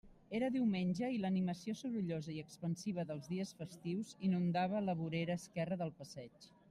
Era diumenge, i l'animació sorollosa i expansiva dels dies festius inundava la vorera esquerra del passeig.